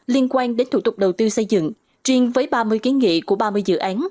liên quan đến thủ tục đầu tư xây dựng riêng với ba mươi kiến nghị của ba mươi dự án